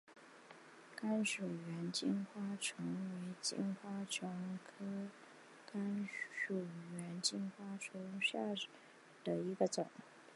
甘薯猿金花虫为金花虫科甘薯猿金花虫属下的一个种。